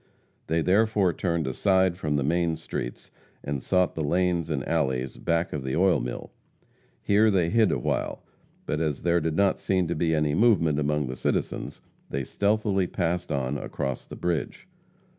They therefore turned aside from the main streets, and sought the lanes and alleys back of the oil mill. Here they hid awhile, but as there did not seem to be any movement among the citizens, they stealthily passed on, across the bridge.